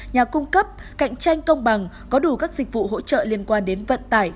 nhà cung cấp cạnh tranh công bằng có đủ các dịch vụ hỗ trợ liên quan đến vận tải